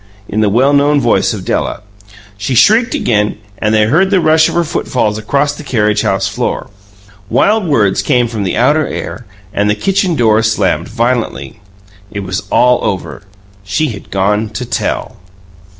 in the well known voice of Della. She shrieked again, and they heard the rush of her footfalls across the carriage house floor. Wild words came from the outer air, and the kitchen door slammed violently. It was all over. She had gone to "tell".